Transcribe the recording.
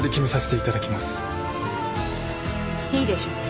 いいでしょう。